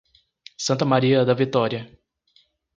Santa Maria da Vitória